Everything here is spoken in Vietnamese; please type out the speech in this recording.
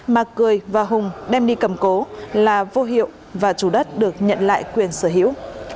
mà cười và hùng đem đi cầm cố là vô hiệu và chủ đất được nhận lại quyền sở hữu